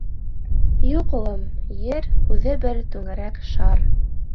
— Юҡ, улым, Ер үҙе бер түңәрәк шар.